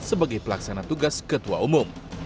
sebagai pelaksana tugas ketua umum